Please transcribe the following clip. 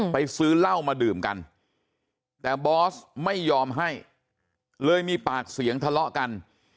ซื้อเหล้ามาดื่มกันแต่บอสไม่ยอมให้เลยมีปากเสียงทะเลาะกัน